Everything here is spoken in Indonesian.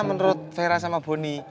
menurut vera sama boni